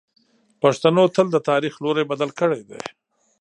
پښتنو تل د تاریخ لوری بدل کړی دی.